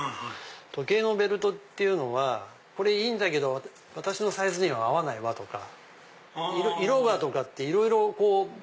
時計のベルトっていうのは「これいいんだけど私のサイズに合わないわ」とか「色が」とかっていろいろこう。